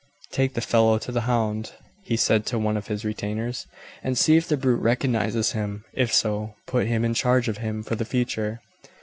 "Take the fellow to the hound," he said to one of his retainers, "and see if the brute recognizes him; if so, put him in charge of him for the future.